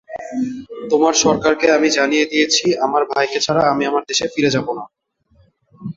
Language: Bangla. তোমার সরকারকে আমি জানিয়ে দিয়েছি আমার ভাইকে ছাড়া আমি আমার দেশে ফিরে যাব না।